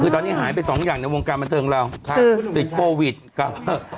คือตอนนี้หายไปสองอย่างในวงการบันเติมเราค่ะคือติดโกวิทย์กับ